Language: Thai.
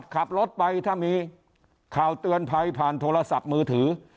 ขับรถไปถ้ามีข่าวเตือนภัยผ่านโทรศัพท์มือถือ